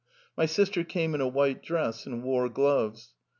My sister wore a white dress and white gloves.